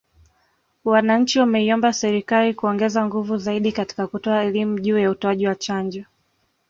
Wananchi wameiomba Serikali kuongeza nguvu zaidi katika kutoa elimu juu ya utoaji wa chanjo